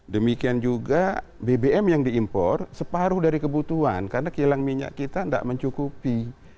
demikian juga bbm yang diimpor separuh dari kebutuhan karena kilang minyak kita tidak mencukupi